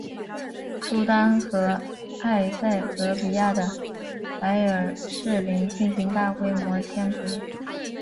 苏丹和埃塞俄比亚的白耳赤羚进行大规模迁徙。